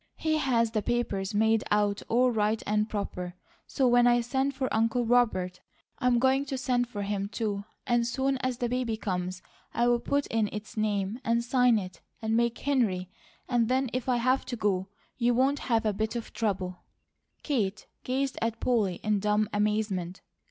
He has the papers made out all right and proper; so when I send for Uncle Robert, I am going to send for him, too, and soon as the baby comes I'll put in its name and sign it, and make Henry, and then if I have to go, you won't have a bit of trouble." Kate gazed at Polly in dumb amazement.